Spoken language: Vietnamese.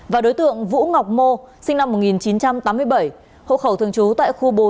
và đối tượng vũ ngọc mô sinh năm một nghìn chín trăm tám mươi bảy hộ khẩu thường trú tại khu bốn